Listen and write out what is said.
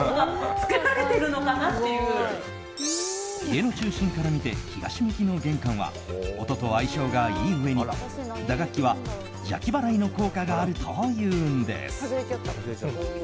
家の中心から見て東向きの玄関は音と相性がいいうえに打楽器は邪気払いの効果があるというのです。